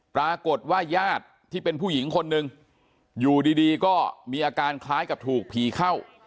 ปรากฏว่าญาติที่เป็นผู้หญิงคนนึงอยู่ดีก็มีอาการคล้ายกับถูกผีเข้า